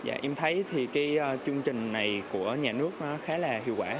em thấy chương trình này của nhà nước khá là hiệu quả